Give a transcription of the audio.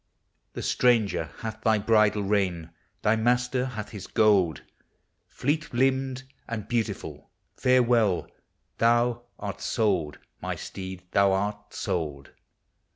367 The stranger hath thy bridle rein, — thy master hath his gold, — Fleet limbed and beautiful, farewell; thou 'rt sold, my steed, thou 'rt sold.